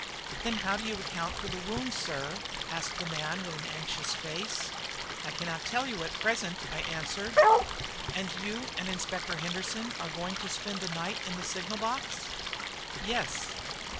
"Then how do you account for the wound, sir?" asked the man with an anxious face. "I cannot tell you at present," I answered. "And you and Inspector Henderson are going to spend the night in the signal box?" "Yes."